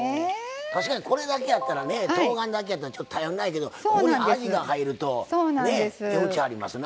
確かにこれだけやったらねとうがんだけやったらちょっと頼んないけどここにあじが入ると値打ちありますな。